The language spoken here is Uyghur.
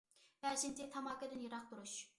بەشىنچى، تاماكىدىن يىراق تۇرۇش.